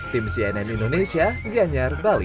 tim cnn indonesia gianyar bali